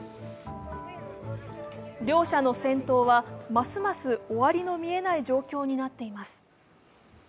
両者の戦闘はますます終わりの見えない状況になっています。